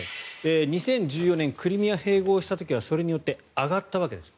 ２０１４年クリミア併合した時はそれによって上がったわけです。